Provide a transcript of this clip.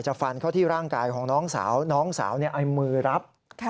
ฟันเข้าที่ร่างกายของน้องสาวน้องสาวไอ้มือรับ